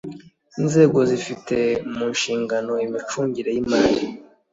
inzego zifite mu nshingano imicungire y’imari